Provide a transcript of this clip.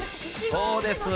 そうです。